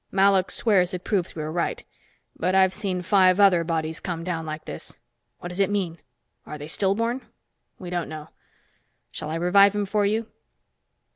Malok swears it proves we are right. But I've seen five other bodies come down like this. What does it mean? Are they stillborn? We don't know. Shall I revive him for you?"